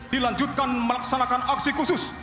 dilanjutkan melaksanakan aksi khusus